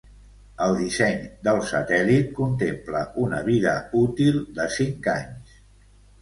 El disseny del satèl·lit contempla una vida útil de cinc anys.